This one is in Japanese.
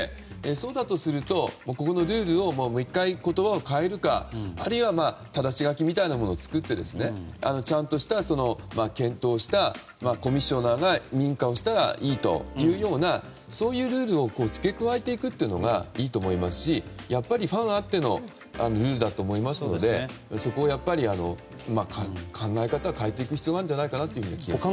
そうだとすると、ルールをもう１回言葉を変えるかあるいは但し書きみたいなものを作ってちゃんとした検討をしてコミッショナーが認可をしたらいいというそういうルールを付け加えていくというのがいいと思いますしやっぱりファンあってのルールだと思いますのでそこをやっぱりうまく考え方を変えていく必要があるんじゃないかと思います。